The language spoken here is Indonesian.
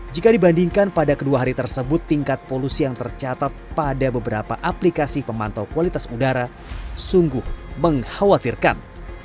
jika dibandingkan pada kedua hari tersebut tingkat polusi yang tercatat pada beberapa aplikasi pemantau kualitas udara sungguh mengkhawatirkan